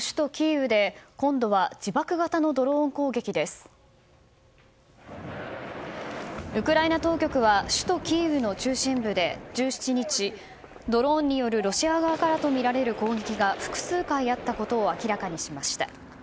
ウクライナ当局は首都キーウの中心部で１７日、ドローンによるロシア側からとみられる攻撃が複数回あったことを明らかにしました。